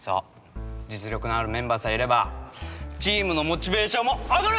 実力のあるメンバーさえいればチームのモチベーションも上がる。